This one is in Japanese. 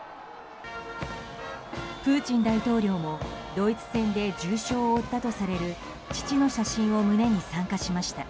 プーチン大統領もドイツ戦で重傷を負ったとされる父の写真を胸に参加しました。